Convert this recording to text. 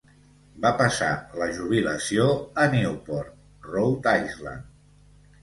Va passar la jubilació a Newport, Rhode Island.